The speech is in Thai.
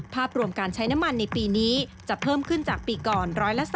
ภาพรวมการใช้น้ำมันในปีนี้จะเพิ่มขึ้นจากปีก่อน๑๓